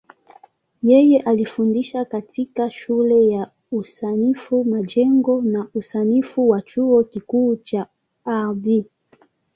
Yeye alifundisha katika Shule ya Usanifu Majengo na Usanifu wa Chuo Kikuu cha Ardhi.